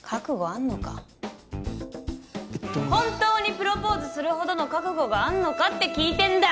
本当にプロポーズするほどの覚悟があんのかって聞いてんだ！